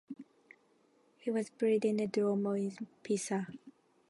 He was buried in the Duomo in Pisa.